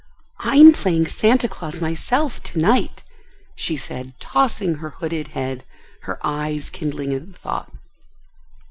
"I'm playing Santa Claus myself, to night," she said, tossing her hooded head, her eyes kindling at the thought.